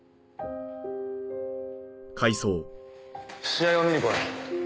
試合を見に来い。